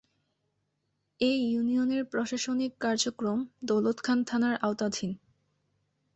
এ ইউনিয়নের প্রশাসনিক কার্যক্রম দৌলতখান থানার আওতাধীন।